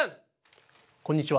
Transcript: こんにちは。